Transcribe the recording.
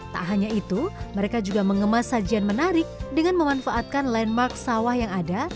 tak hanya itu mereka juga mengemas sajian menarik dengan memanfaatkan landmark sawah yang ada